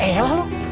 ya elah lu